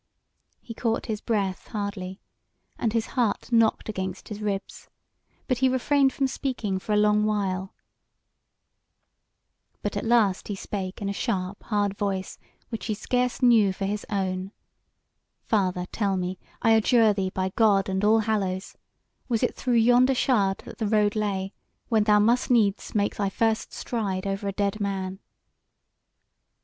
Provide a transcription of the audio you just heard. He caught his breath hardly, and his heart knocked against his ribs; but he refrained from speaking for a long while; but at last he spake in a sharp hard voice, which he scarce knew for his own: "Father, tell me, I adjure thee by God and All hallows, was it through yonder shard that the road lay, when thou must needs make thy first stride over a dead man?"